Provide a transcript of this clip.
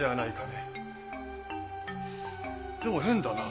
でも変だな